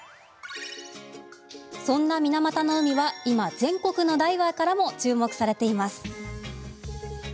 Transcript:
そんな水俣の海は今、全国のダイバーからも注目されています。